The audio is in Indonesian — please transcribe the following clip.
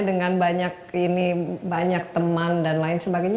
dengan banyak ini banyak teman dan lain sebagainya